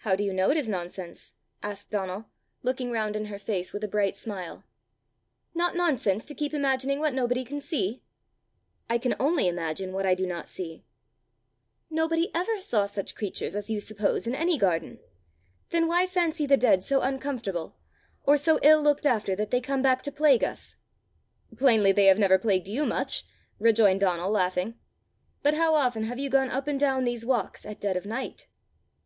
"How do you know it is nonsense?" asked Donald, looking round in her face with a bright smile. "Not nonsense to keep imagining what nobody can see?" "I can only imagine what I do not see." "Nobody ever saw such creatures as you suppose in any garden! Then why fancy the dead so uncomfortable, or so ill looked after, that they come back to plague us!" "Plainly they have never plagued you much!" rejoined Donal laughing. "But how often have you gone up and down these walks at dead of night?"